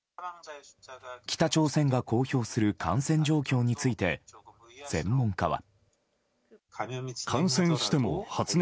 北朝鮮が公表する感染状況について専門家は。